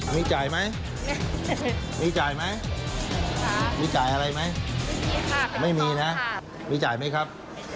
มีจ่ายไหมมีจ่ายอะไรไหมไม่มีนะมีจ่ายไหมครับ